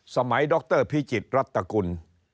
สมัยดรพชิตรัตน์ตะกุล